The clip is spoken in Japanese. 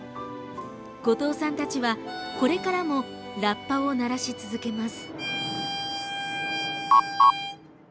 後藤さんたちは、これからもラッパを鳴らし続けます。